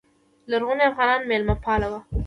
لرغوني افغانان میلمه پال وو